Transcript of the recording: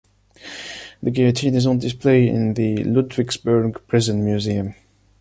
The guillotine is on display in the Ludwigsburg Prison Museum.